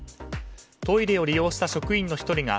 トイレを利用した職員の１人が